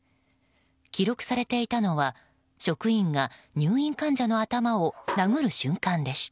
記録されていたのは職員が入院患者の頭を殴る瞬間でした。